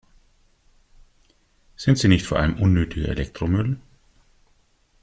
Sind sie nicht vor allem unnötiger Elektromüll?